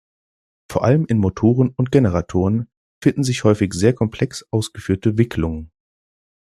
Vor allem in Motoren und Generatoren finden sich häufig sehr komplex ausgeführte Wicklungen.